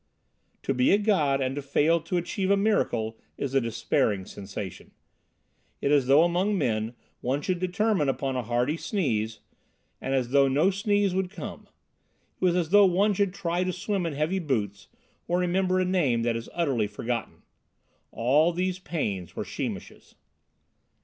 To be a god and to fail to achieve a miracle is a despairing sensation; it is as though among men one should determine upon a hearty sneeze and as though no sneeze should come; it is as though one should try to swim in heavy boots or remember a name that is utterly forgotten: all these pains were Sheemish's.